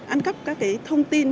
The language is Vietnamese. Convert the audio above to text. ăn cắp các cái thông tin